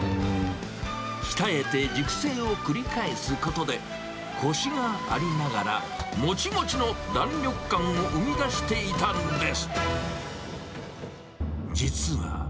鍛えて熟成を繰り返すことで、こしがありながら、もちもちの弾力感を生み出していたんです。